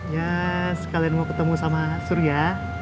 ya sekalian mau ketemu sama surya